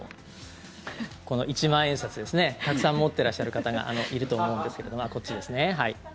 この一万円札ですねたくさん持ってらっしゃる方がいると思うんですけどこっちですね、はい。